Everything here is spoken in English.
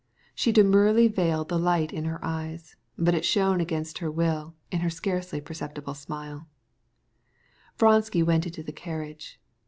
Deliberately she shrouded the light in her eyes, but it shone against her will in the faintly perceptible smile. Vronsky stepped into the carriage.